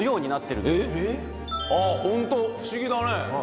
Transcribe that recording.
あっホント不思議だね。